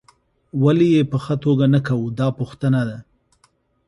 ولې یې په ښه توګه نه کوو دا پوښتنه ده.